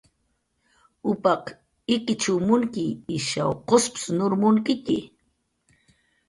Upaq ikichw munki, ishaw qusp nur munkitxi